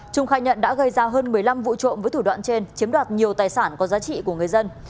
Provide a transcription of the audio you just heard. trung khai nhận đã gây ra hơn một mươi năm vụ trộm với thủ đoạn trên chiếm đoạt nhiều tài sản có giá trị của người dân